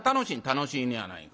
「楽しいのやないか。